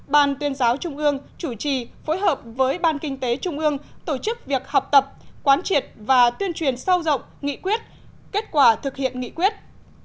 ban tuyên giáo trung ương chủ trì phối hợp với ban kinh tế trung ương tổ chức việc học tập quán triệt và tuyên truyền sâu rộng nghị quyết kết quả thực hiện nghị quyết